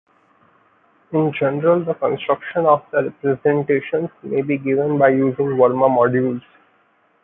In general, the construction of the representations may be given by using Verma modules.